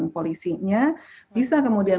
polisinya bisa kemudian